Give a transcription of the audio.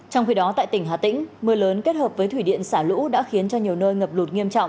trong khi đó tại tỉnh hà tĩnh mưa lớn kết hợp với thủy điện xả lũ đã khiến cho nhiều nơi ngập lụt nghiêm trọng